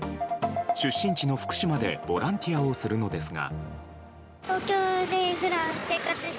出身地の福島でボランティアをするのですが。